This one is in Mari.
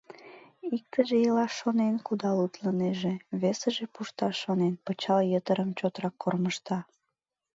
Иктыже, илаш шонен, кудал утлынеже; весыже, пушташ шонен, пычал йытырым чотрак кормыжта.